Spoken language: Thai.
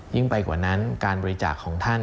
ยิ่งไปกว่านั้นการบริจาคของท่าน